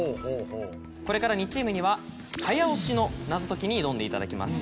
これから２チームには早押しの謎解きに挑んでいただきます。